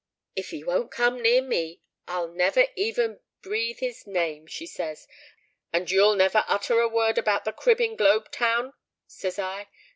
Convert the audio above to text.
—'If he won't come near me, I'll never even breathe his name,' she says.—'And you'll never utter a word about the crib in Globe Town,' says I.